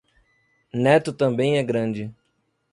Neto também é grande